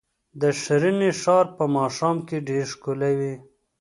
د ښرنې ښار په ماښام کې ډېر ښکلی وي.